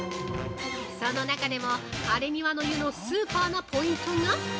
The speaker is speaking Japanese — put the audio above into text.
その中でも、ハレニワの湯のスーパーなポイントが。